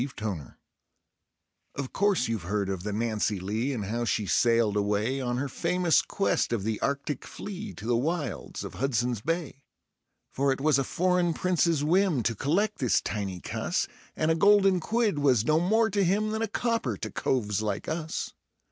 Lucille Of course you've heard of the Nancy Lee, and how she sailed away On her famous quest of the Arctic flea, to the wilds of Hudson's Bay? For it was a foreign Prince's whim to collect this tiny cuss, And a golden quid was no more to him than a copper to coves like us.